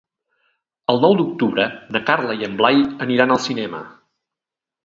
El nou d'octubre na Carla i en Blai aniran al cinema.